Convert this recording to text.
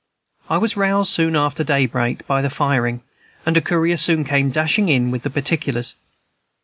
I was roused soon after daybreak by the firing, and a courier soon came dashing in with the particulars.